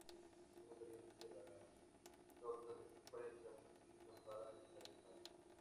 Algunas variantes de la torta de prensa se utilizan para alimentar animales.